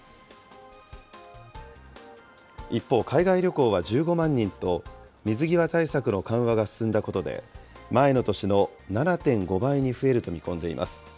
一方、海外旅行は１５万人と、水際対策の緩和が進んだことで、前の年の７．５倍に増えると見込んでいます。